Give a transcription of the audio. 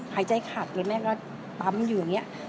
หายใจขัดเลยแม่ก็ปั๊มอยู่อย่างนี้